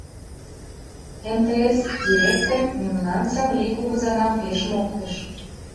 МТС директор мемнан Савлий кугызанам пеш моктыш.